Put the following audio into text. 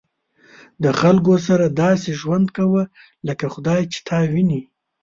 د خلکو سره داسې ژوند کوه لکه خدای چې تا ویني.